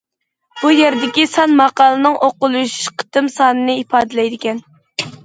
بۇ يەردىكى سان ماقالىنىڭ ئوقۇلۇش قېتىم سانىنى ئىپادىلەيدىكەن.